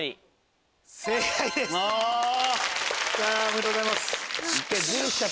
おめでとうございます。